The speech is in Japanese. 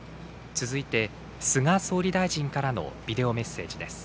続いて、菅総理大臣からのビデオメッセージです。